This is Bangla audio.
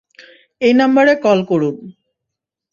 এই নাম্বারে কল করুন।